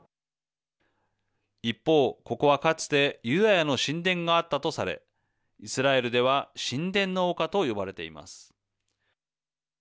一方、ここはかつてユダヤの神殿があったとされイスラエルでは神殿の丘と呼ばれています。